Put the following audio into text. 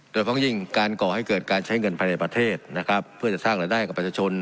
โดยเพราะยิ่งการก่อให้เกิดการใช้เงินภายในประเทศนะครับเพื่อจะสร้างรายได้กับประชาชน